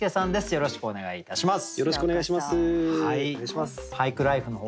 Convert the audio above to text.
よろしくお願いします！